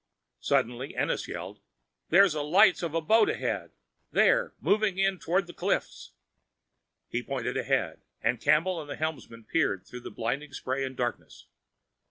Suddenly Ennis yelled, "There's the lights of a boat ahead! There, moving in toward the cliffs!" He pointed ahead, and Campbell and the helmsman peered through the blinding spray and darkness.